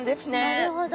なるほど。